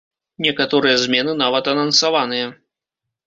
Некаторыя змены нават анансаваныя.